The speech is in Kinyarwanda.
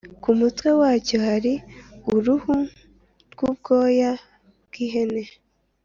ku mutwe wacyo hari uruhu rw’ubwoya bw’ihene.